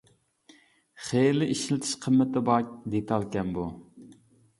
خېلى ئىشلىتىش قىممىتى بار دېتالكەن بۇ.